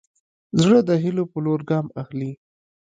زړه د هيلو په لور ګام اخلي.